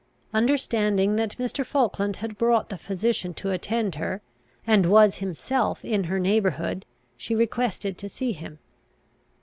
Understanding that Mr. Falkland had brought the physician to attend her, and was himself in her neighbourhood, she requested to see him.